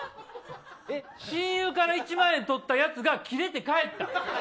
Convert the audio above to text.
親友から１万円とったやつがキレて帰った。